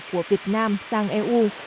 của việt nam sang eu